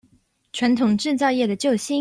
傳統製造業的救星